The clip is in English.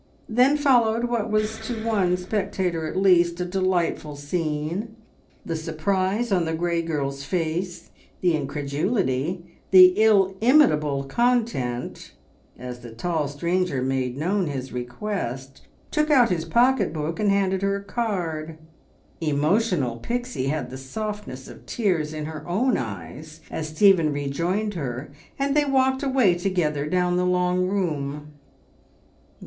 Then followed what was to one spectator at least, a delightful scene. The surprise on the grey girl's face, the incredulity, the illimitable content, as the tall stranger made known his request, took out his pocket book and handed her a card. Emotional Pixie had the softness of tears in her own eyes as Stephen rejoined her, and they walked away together down the long room.